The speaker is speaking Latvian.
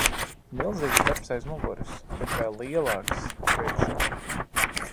Milzīgs darbs aiz muguras, bet vēl lielāks priekšā.